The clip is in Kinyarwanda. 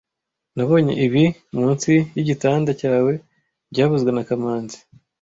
Nabonye ibi munsi yigitanda cyawe byavuzwe na kamanzi